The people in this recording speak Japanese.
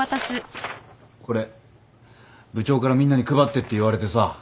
これ部長からみんなに配ってって言われてさ。